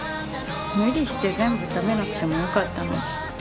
無理して全部食べなくてもよかったのに。